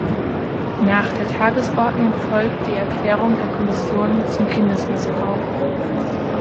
Nach der Tagesordnung folgt die Erklärung der Kommission zum Kindesmissbrauch.